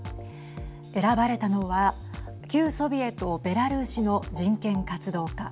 選ばれたのは旧ソビエトベラルーシの人権活動家。